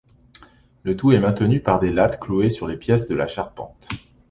Le tout est maintenu par des lattes clouées sur les pièces de la charpente.